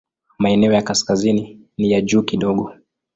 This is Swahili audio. Maeneo ya kaskazini ni ya juu kidogo.